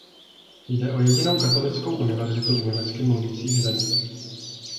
Jde o jedinou katolickou univerzitu v německy mluvících zemích.